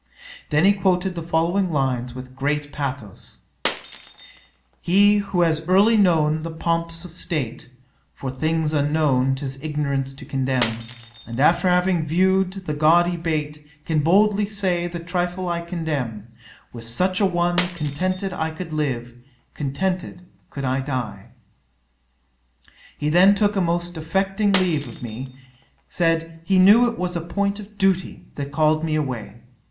Then he quoted the following lines with great pathos: "He who has early known the pomps of state, (For things unknown, 'tis ignorance to condemn;) And after having viewed the gaudy bait, Can boldly say, the trifle I contemn; With such a one contented could I live, Contented could I die;" 'He then took a most affecting leave of me; said, he knew, it was a point of duty that called me away.